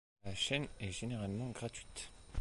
La chaîne est généralement gratuite.